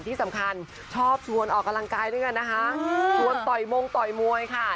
ที่สำคัญชอบชวนออกกำลังกายด้วยกันนะคะ